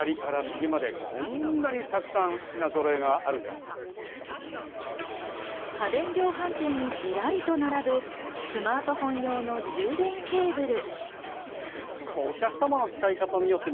助かったと思ったら、家電量販店にずらりと並ぶスマートフォン用の充電ケーブル。